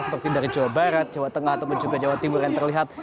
seperti dari jawa barat jawa tengah ataupun juga jawa timur yang terlihat